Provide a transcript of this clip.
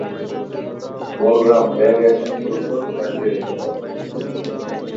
Balaram, bag এখানে কোথাও সাইডে রেখে দাও।